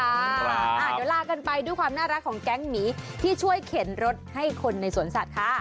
เดี๋ยวลากันไปด้วยความน่ารักของแก๊งหมีที่ช่วยเข็นรถให้คนในสวนสัตว์ค่ะ